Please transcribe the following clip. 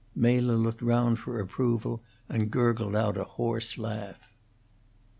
Mela looked round for approval, and gurgled out a hoarse laugh. IX.